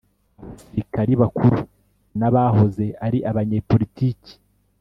abasirikari bakuru n'abahoze ari abanyepolitiki